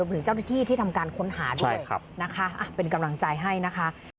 ถึงเจ้าหน้าที่ที่ทำการค้นหาด้วยนะคะเป็นกำลังใจให้นะคะ